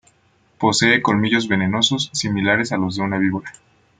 Posee colmillos venenosos similares a los de una víbora.